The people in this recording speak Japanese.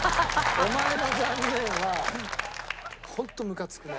お前の「残念」はホントムカつくね。